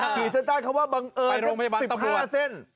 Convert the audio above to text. กรีดร้านคำว่าบังเอิญ๑๕เส้น